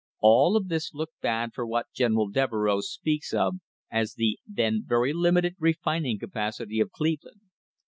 All of this looked bad for what General Devereux speaks of as the "then very limited refining capacity of Cleveland."